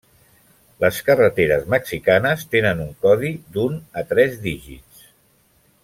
Les carreteres mexicanes tenen un codi d'un a tres dígits.